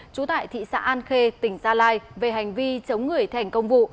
trú tại thị xã an khê tỉnh gia lai về hành vi chống người thành công vụ